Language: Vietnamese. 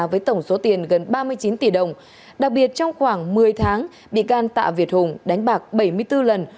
với tổng số tiền gần ba mươi chín tỷ đồng đặc biệt trong khoảng một mươi tháng bị can tạ việt hùng đánh bạc bảy mươi bốn lần